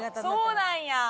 そうなんや！